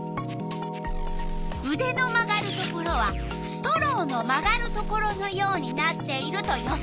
うでの曲がるところはストローの曲がるところのようになっていると予想。